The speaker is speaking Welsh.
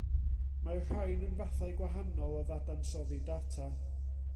Mae'r rhain yn fathau gwahanol o ddadansoddi data.